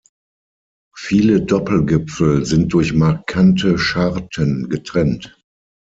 Viele Doppelgipfel sind durch markante Scharten getrennt.